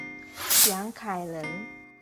杨凯人。